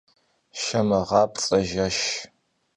Şşemığapts'e jjeşş.